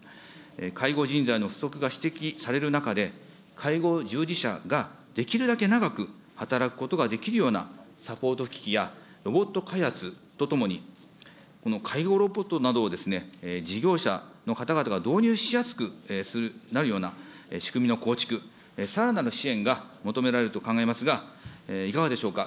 介護人材の不足が指摘される中で、介護従事者ができるだけ長く働くことができるようなサポート機器やロボット開発とともに、この介護ロボットなどを事業者の方々が導入しやすくなるような仕組みの構築、さらなる支援が求められると考えますが、いかがでしょうか。